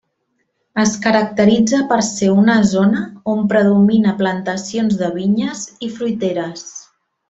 Es caracteritza per ser una zona on predomina plantacions de vinyes i fruiteres.